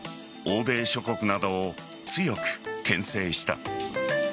欧米諸国などを強くけん制した。